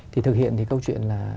thì thực hiện thì câu chuyện là